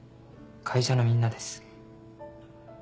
会社のみんなです。